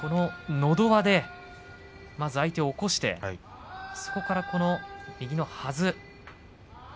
のど輪でまず相手を起こしてそこから右のはず。